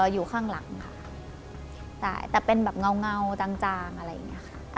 อยู่ข้างหลังค่ะใช่แต่เป็นแบบเงาจางจางอะไรอย่างเงี้ยค่ะ